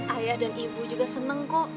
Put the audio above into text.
ayah dan ibu juga seneng kok